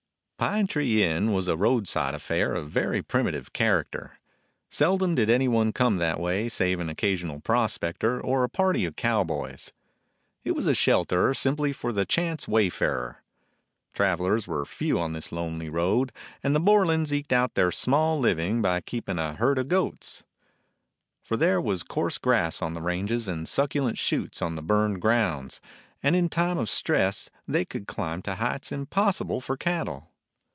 Pine Tree Inn was a roadside affair of 5 DOG HEROES OF MANY LANDS very primitive character. Seldom did any one come that way save an occasional pros pector or a party of cow boys. It was a shelter simply for the chance wayfarer. Travelers were few on this lonely road, and the Borlans eked out their small living by keeping a herd of goats; for there was coarse grass on the ranges and succulent shoots on the burned grounds, and in time of stress they could climb to heights impossible for cattle.